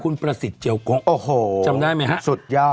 คุณประสิทธิ์เจียวโก๊จำได้มั้ยฮะโอ้โหสุดยอด